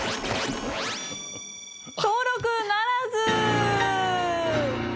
登録ならず！